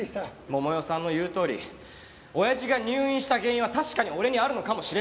桃代さんの言うとおり親父が入院した原因は確かに俺にあるのかもしれません。